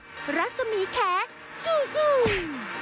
สวัสดีครับทุกคน